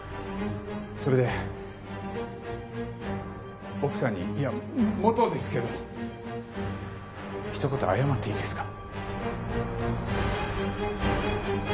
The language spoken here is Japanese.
それで奥さんにいや元ですけどひと言謝っていいですか？